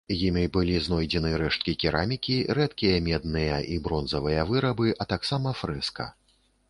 Імі былі знойдзены рэшткі керамікі, рэдкія медныя і бронзавыя вырабы, а таксама фрэска.